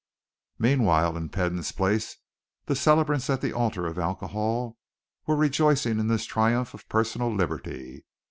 Meanwhile, in Peden's place the celebrants at the altar of alcohol were rejoicing in this triumph of personal liberty.